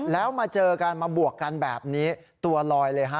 แล้วมาเจอกันมาบวกกันแบบนี้ตัวลอยเลยฮะ